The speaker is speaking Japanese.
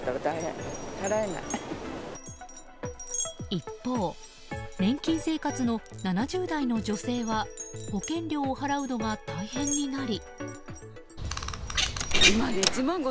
一方、年金生活の７０代の女性は保険料を払うのが大変になり。